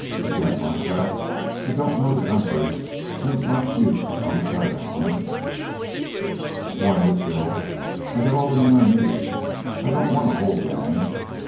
"A gent like that who don't know the country ain't much use on the trail, eh?" "The point is, Bill, that I got all the men I need. I don't want a whole gang."